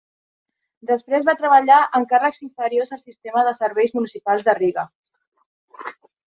Després va treballar en càrrecs inferiors al sistema de serveis municipals de Riga.